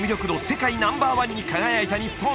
世界ナンバーワンに輝いた日本